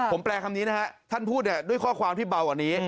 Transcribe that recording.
ผมแปลคำนี้นะฮะท่านพูดด้วยข้อความที่เบากว่านี้